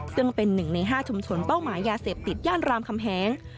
ซึ่งเป็น๑ใน๕ชุมชนเป้าหมายยาเสพติดย่านรามคำแหง